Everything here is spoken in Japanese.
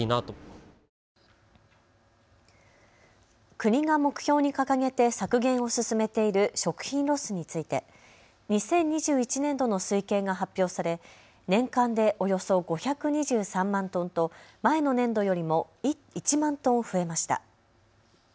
国が目標に掲げて削減を進めている食品ロスについて２０２１年度の推計が発表され年間でおよそ５２３万トンと前の年度よりも１万トン増えました。